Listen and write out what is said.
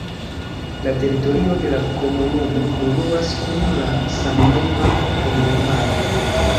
La teritorio de la komunumo kongruas kun la samnoma komunumaro.